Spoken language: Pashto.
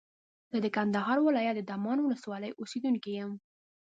زه د کندهار ولایت د دامان ولسوالۍ اوسېدونکی یم.